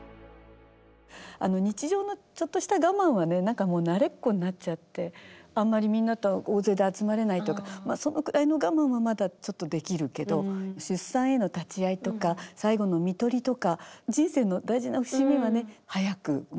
日常のちょっとした我慢はね何かもう慣れっこになっちゃってあんまりみんなと大勢で集まれないとかまあそのぐらいの我慢はまだちょっとできるけど出産への立ち会いとか最期のみとりとか